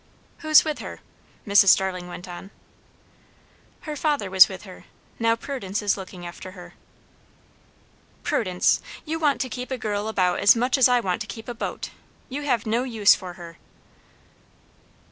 "Who's with her?" Mrs. Starling went on. "Her father was with her. Now Prudence is looking after her." "Prudence! You want to keep a girl about as much as I want to keep a boat. You have no use for her."